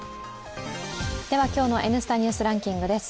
では今日の「Ｎスタ・ニュースランキング」です。